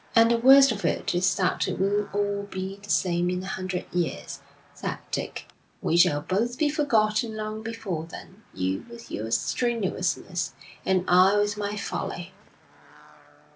'And the worst of it is that it will all be the same in a hundred years,' said Dick. 'We shall both be forgotten long before then, you with your strenuousness, and I with my folly.'